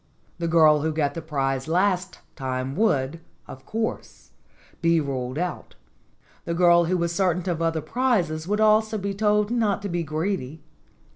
The girl who got the prize last time would, of course, be ruled out. The girl who was certain of other prizes would also be told not to be greedy.